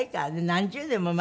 何十年も前。